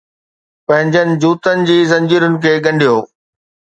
پنھنجن جوتن جي زنجيرن کي ڳنڍيو